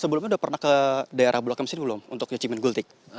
sebelumnya sudah pernah ke daerah bula kamsiri belum untuk nyecemen gultik